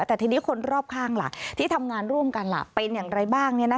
แต่ทีนี้คนรอบข้างล่ะที่ทำงานร่วมกันล่ะเป็นอย่างไรบ้าง